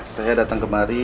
saya datang kemari